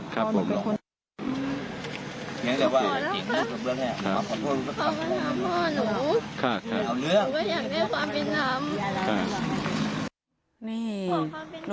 คือจริงแล้วก็ลุงคือเขามาต่อยพ่อหนูเขารุมพ่อหนู